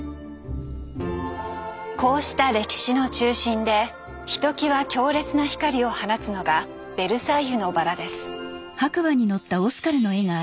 こうした歴史の中心でひときわ強烈な光を放つのが「ベルサイユのばら」です。